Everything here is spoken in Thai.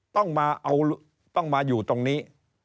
ต้องมาเอาต้องมาอยู่ตรงนี้